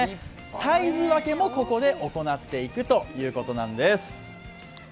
サイズ分けもここで行っていくということなんです。